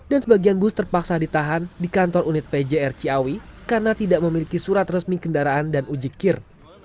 dan sebagian bus terpaksa ditahan di kantor unit pjr ciawi karena tidak memiliki surat resmi kendaraan dan uji kir